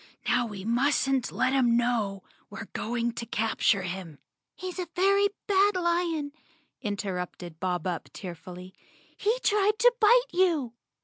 Now we mustn't let him know k we're going to capture him." "He's a very bad lion," interrupted Bob Up tear¬ fully. "He tried to bite you!"